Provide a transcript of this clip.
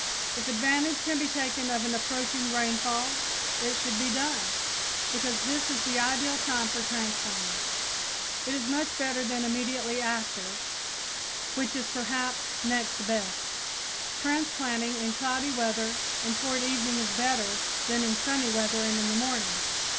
If advantage can be taken of an approaching rainfall, it should be done, because this is the ideal time for transplanting. It is much better than immediately after, which is perhaps next best. Transplanting in cloudy weather and toward evening is better than in sunny weather and in the morning.